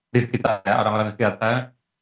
di sekitar orang orang sekitar saya